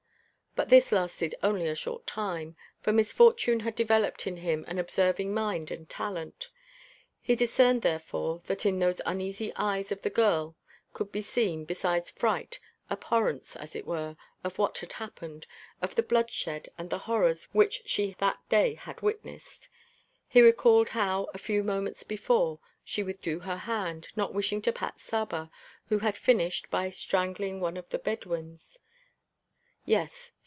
But this lasted only a short time, for misfortune had developed in him an observing mind and talent; he discerned, therefore, that in those uneasy eyes of the little girl could be seen, besides fright, abhorrence, as it were, of what had happened, of the bloodshed and the horrors which she that day had witnessed. He recalled how, a few moments before, she withdrew her hand, not wishing to pat Saba, who had finished, by strangling, one of the Bedouins. Yes!